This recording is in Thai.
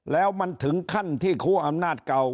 แล้วมันถึงขั้นที่คั่วอำนาจเก่า